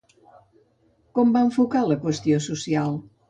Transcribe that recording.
Com va enfocar la qüestió social?